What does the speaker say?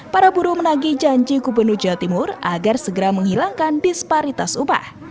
para buruh menagi janji gubernur jawa timur agar segera menghilangkan disparitas upah